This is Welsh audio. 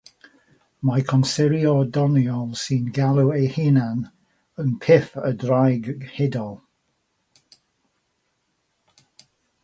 Mae consuriwr doniol sy'n galw ei hunan yn Piff y Ddraig Hudol.